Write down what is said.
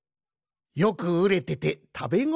よくうれててたべごろじゃ。